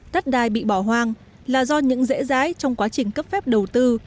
đất đai bị bỏ hoang là do những rễ rái trong quá trình cấp phép đầu tư